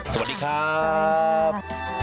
สวัสดีครับ